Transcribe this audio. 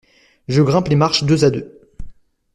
Je grimpe les marches deux à deux.